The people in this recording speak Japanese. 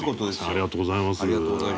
ありがとうございます。